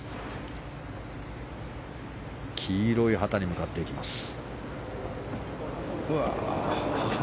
黄色い旗に向かっていきます。